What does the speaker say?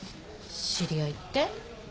知り合いって？